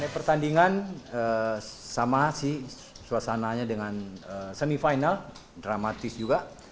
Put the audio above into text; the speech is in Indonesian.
pertandingan sama suasananya dengan semi final dramatis juga